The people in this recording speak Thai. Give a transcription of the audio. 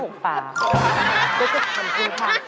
ขอบคุณค่ะ